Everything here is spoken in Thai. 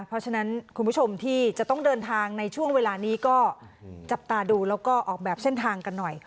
เพราะฉะนั้นคุณผู้ชมที่จะต้องเดินทางในช่วงเวลานี้ก็จับตาดูแล้วก็ออกแบบเส้นทางกันหน่อย